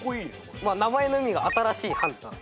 名前の意味が新しいハンター。